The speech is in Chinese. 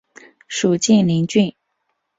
属晋陵郡。